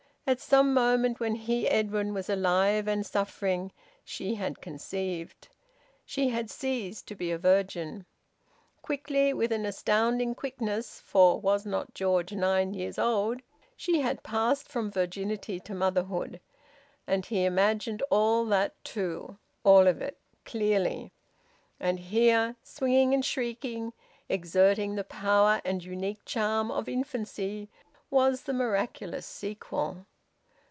At some moment when he, Edwin, was alive and suffering, she had conceived. She had ceased to be a virgin. Quickly, with an astounding quickness for was not George nine years old? she had passed from virginity to motherhood. And he imagined all that too; all of it; clearly. And here, swinging and shrieking, exerting the powerful and unique charm of infancy, was the miraculous sequel!